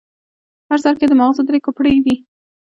په هر سر کې یې د ماغزو درې کوپړۍ دي.